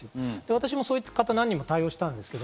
私もそういう方、何人も対応しました。